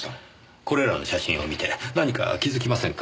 これらの写真を見て何か気づきませんか？